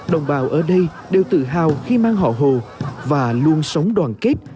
đồng bào ở đây đều tự hào khi mang họ hồ và luôn sống đoàn kết